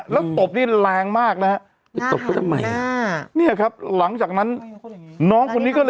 แล้วตบนี่แรงมากห็ดหวงหน้านี่อะครับหลังจากนั้นน้องคนนี้ก็เลย